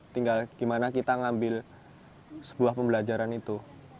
tinggal gimana kita ngambil sebuah pembelajaran itu